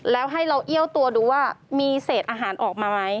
แล้วให้เราเอี้ยวตัวดูว่ามีเศษอาหารออกมาไหม